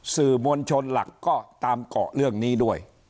สื่อมวลชนหลักก็ตามเกาะเรื่องนี้ด้วย